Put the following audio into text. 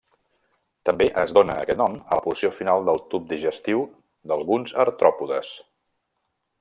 També es dóna aquest nom a la porció final del tub digestiu d'alguns artròpodes.